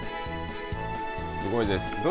すごいです。